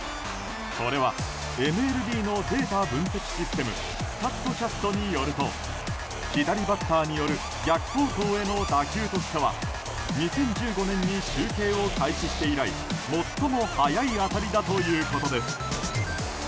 これはＭＬＢのデータ分析システムスタットキャストによると左バッターによる逆方向への打球としては２０１５年に集計を開始して以来最も速い当たりだということです。